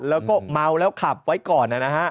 แล้วก็เมาแล้วขับไว้ก่อนนะฮะ